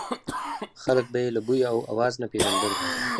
خلک به یې له بوی او اواز نه پېژندل.